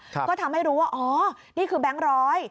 ก็ทำให้รู้ว่าอ๋อนี่คือแบงค์ร้อย